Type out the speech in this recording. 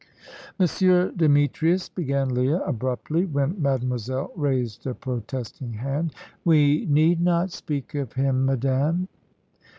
"Monsieur Demetrius," began Leah, abruptly, when Mademoiselle raised a protesting hand. "We need not speak of him, madame."